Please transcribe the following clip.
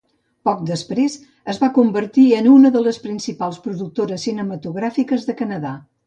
Poc després, es va convertir en una de les principals productores cinematogràfiques de Canadà.